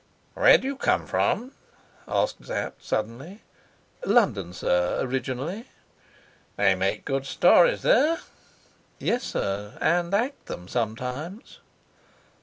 "Where do you come from?" asked Sapt, suddenly. "London, sir, originally." "They make good stories there?" "Yes, sir, and act them sometimes."